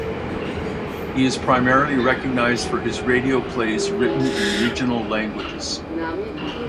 He is primarily recognized for his radio plays written in regional languages.